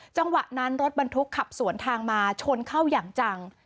จังหวะนั้นรถบรรทุกขับสวนทางมาชนเข้าอย่างจัง